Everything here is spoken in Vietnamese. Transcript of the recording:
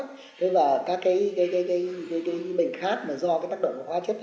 nếu là các cái bệnh khác mà do tác động của hóa chất